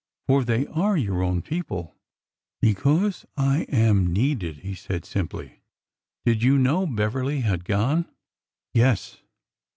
For they are your own people !"" Because I am needed," he said simply. " Did you know Beverly had gone ?"" Yes."